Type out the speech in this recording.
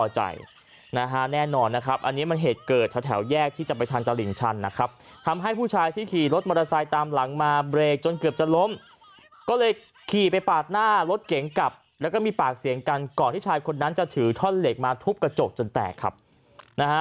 ก็เลยขี่รถมอเตอร์ไซค์ตามหลังมาเบรกจนเกือบจะล้มก็เลยขี่ไปปาดหน้ารถเก๋งกลับแล้วก็มีปากเสียงกันก่อนที่ชายคนนั้นจะถือท่อนเหล็กมาทุบกระจกจนแตกครับนะฮะ